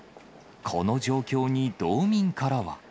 この状況に道民からは。